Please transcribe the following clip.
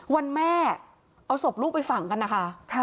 วันแม่เอาศพลูกไปฝังกันนะคะ